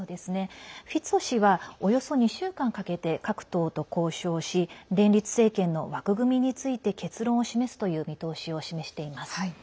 フィツオ氏はおよそ２週間かけて各党と交渉し連立政権の枠組みについて結論を示すという見通しを示しています。